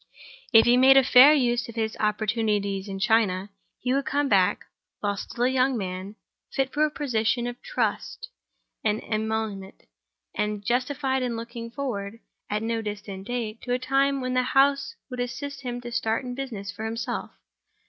If he made a fair use of his opportunities in China, he would come back, while still a young man, fit for a position of trust and emolument, and justified in looking forward, at no distant date, to a time when the House would assist him to start in business for himself.